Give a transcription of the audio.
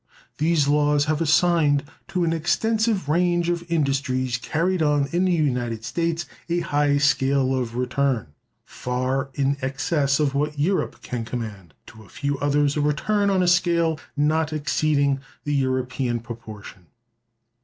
These laws have assigned to an extensive range of industries carried on in the United States a high scale of return, far in excess of what Europe can command, to a few others a return on a scale not exceeding the European proportion.